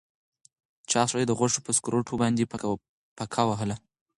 چاغ سړي د غوښو په سکروټو باندې پکه وهله.